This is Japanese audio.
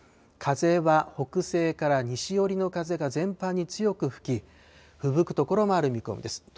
風は北西から西寄りの風が全般に強く吹き、ふぶく所もある見込みです。